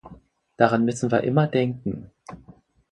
Daran müssen wir immer denken!